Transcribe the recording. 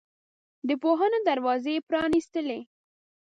د پوهنو دروازې یې پرانستلې.